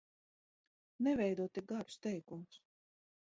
Neveido tik garus teikumus!